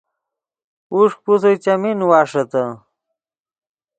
اوݰک پوسر چیمین نیواݰیتے